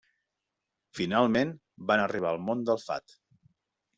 Finalment van arribar al Mont del Fat.